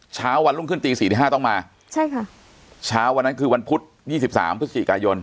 เช้าวันลุงขึ้นตี๔๕ต้องมาใช่ค่ะเช้าวันนั้นคือวันพุธ๒๓พฤศจิกายน